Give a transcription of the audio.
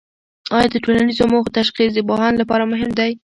آیا د ټولنیزو موخو تشخیص د پوهاند لپاره مهم دی؟